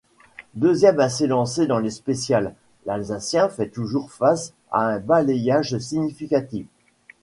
Deuxième à s'élancer dans les spéciales, l'Alsacien fait toujours face à un balayage significatif.